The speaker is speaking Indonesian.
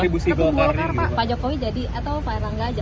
tapi golkar pak jokowi jadi atau pak erlangga aja